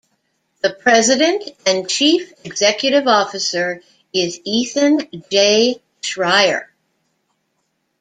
The President and Chief Executive Officer is Ethan J. Schreier.